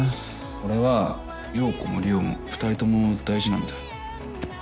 俺は陽子も理央も２人とも大事なんだ。